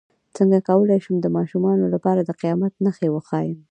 څنګه کولی شم د ماشومانو لپاره د قیامت نښې وښایم